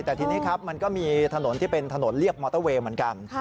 แต่ทีนี้ครับมันก็มีถนนที่เป็นถนนเรียบมอเตอร์เวย์เหมือนกัน